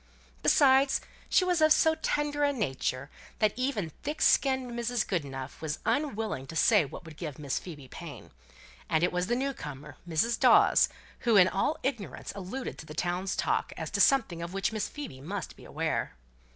Besides, she was of so tender a nature that even thick skinned Mrs. Goodenough was unwilling to say what would give Miss Phoebe pain; and it was the new comer Mrs. Dawes, who in all ignorance alluded to the town's talk, as to something of which Miss Phoebe must be aware.